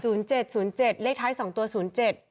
เจ็ดศูนย์เจ็ดเลขท้ายสองตัวศูนย์เจ็ด